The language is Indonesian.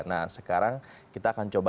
nah sekarang kita akan coba